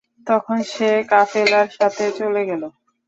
তখন সে কাফেলার সাথে চলে গেল।